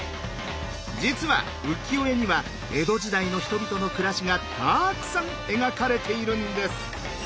実は浮世絵には江戸時代の人々の暮らしがたくさん描かれているんです。